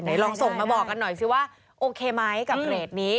ลองส่งมาบอกกันหน่อยสิว่าโอเคไหมกับเรทนี้